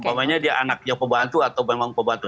umpamanya dia anaknya pembantu atau memang pembantu